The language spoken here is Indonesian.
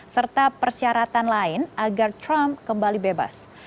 serta persyaratan lain agar trump kembali bebas